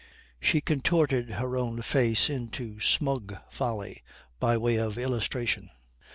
She contorted her own face into smug folly by way of illustration.